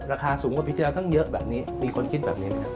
ราคาสูงกว่าพี่แจ๊ตั้งเยอะแบบนี้มีคนคิดแบบนี้ไหมครับ